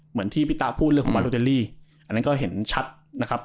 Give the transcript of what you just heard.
เหมือนที่พี่ตาพูดเรื่องของบาโรเดลลี่อันนั้นก็เห็นชัดนะครับ